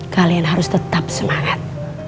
kalian harus tetap semangat